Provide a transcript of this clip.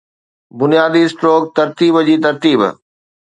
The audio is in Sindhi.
بنيادي-اسٽروڪ ترتيب جي ترتيب